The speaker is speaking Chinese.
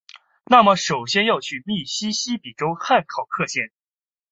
那么首先要去密西西比州汉考克县！